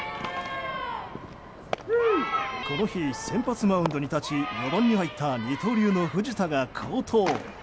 この日、先発マウンドに立ち４番に入った二刀流の藤田が好投。